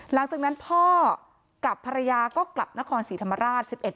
หลังจากนั้นพ่อกับภรรยาก็กลับนครศรีธรรมราช